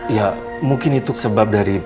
ya mungkin itu sebab dari